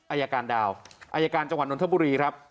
อายการดาวอายการจังหวัดนทบุรีครับ